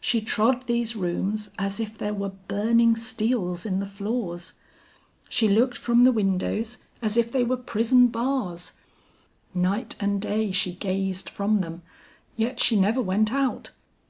She trod these rooms as if there were burning steels in the floors, she looked from the windows as if they were prison bars; night and day she gazed from them yet she never went out.